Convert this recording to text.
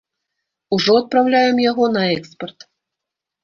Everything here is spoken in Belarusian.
Ужо адпраўляем яго на экспарт.